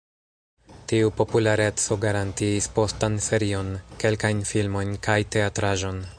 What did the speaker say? Tiu populareco garantiis postan serion, kelkajn filmojn, kaj teatraĵon.